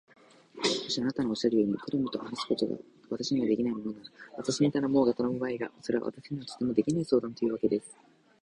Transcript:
もしあなたのおっしゃるように、クラムと話すことが私にはできないものなら、私に頼もうが頼むまいが、それは私にはとてもできない相談というわけです。